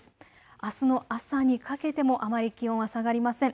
あすの朝にかけてもあまり気温は下がりません。